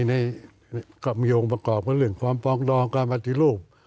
ในกรมโยงประกอบเวลาเรื่องความปรองดองการปฏิรูป